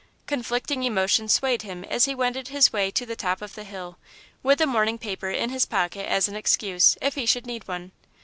Conflicting emotions swayed him as he wended his way to the top of the hill, with the morning paper in his pocket as an excuse, if he should need one.